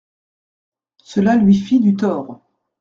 Cela lui fit du tort.